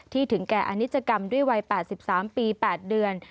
ถึงแก่อนิจกรรมด้วยวัย๘๓ปี๘เดือน